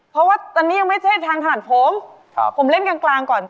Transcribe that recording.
เพราะว่าตั๊ดนี้ยังไม่เท่าทางขนาดผมผมเล่นกลางก่อน